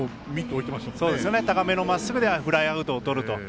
高めのまっすぐでフライアウトをとると。